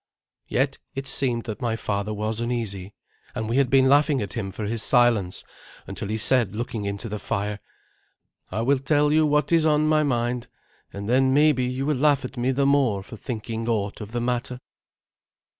Yet it seemed that my father was uneasy, and we had been laughing at him for his silence, until he said, looking into the fire, "I will tell you what is on my mind, and then maybe you will laugh at me the more for thinking aught of the matter.